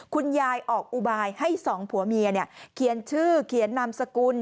คุณยายออกอุบายให้สองผัวเมียเขียนชื่อเขียนนามสกุล